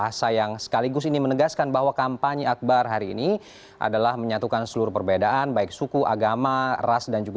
assalamualaikum warahmatullahi wabarakatuh